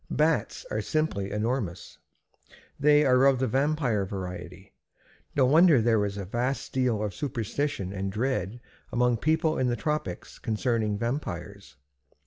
Bats are simply enormous. They are of the vampire variety. No wonder there is a vast deal of superstition and dread among people in the tropics concerning vampires.